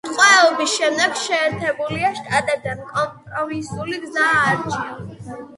ტყვეობის შემდეგ შეერთებულ შტატებთან კომპრომისული გზა აირჩია.